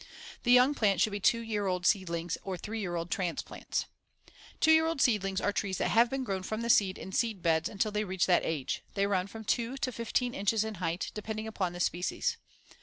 The young plants should be two year old seedlings or three year old "transplants." Two year old seedlings are trees that have been grown from the seed in seed beds until they reach that age. They run from two to fifteen inches in height, depending upon the species.